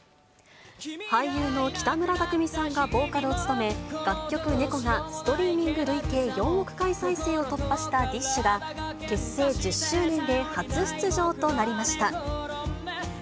俳優の北村匠海さんがボーカルを務め、楽曲、猫がストリーミング累計４億回再生を突破したＤＩＳＨ／／が結成１０周年で初出場となりました。